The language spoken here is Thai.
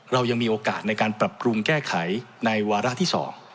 เรายังมีโอกาสในการปรับปรุงแก้ไขในวาระที่๒